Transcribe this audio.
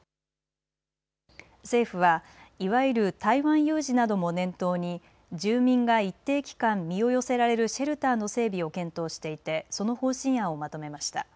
政府はいわゆる台湾有事なども念頭に住民が一定期間、身を寄せられるシェルターの整備を検討していてその方針案をまとめました。